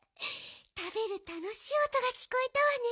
たべるたのしいおとがきこえたわね。